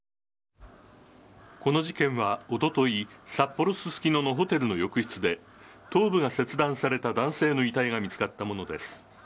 この事件はおととい、札幌・ススキノのホテルの浴室で、頭部が切断された男性の遺体が見つかったものです。